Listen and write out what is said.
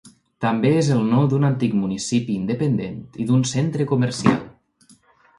També és el nom d'un antic municipi independent i d'un centre comercial.